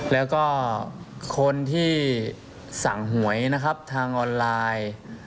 แล้วก็คนที่สั่งหวยนะครับทางออนไลน์